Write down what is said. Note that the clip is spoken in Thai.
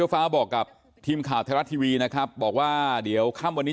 ฟ้าบอกกับทีมข่าวไทยรัฐทีวีนะครับบอกว่าเดี๋ยวค่ำวันนี้